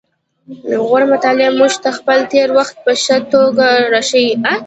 د غور مطالعه موږ ته خپل تیر وخت په ښه توګه راښيي